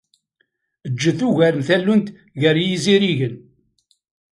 Ǧǧet ugar n tallunt gar yizirigen.